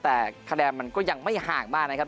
แต่คะแนนมันก็ยังไม่ห่างมากนะครับ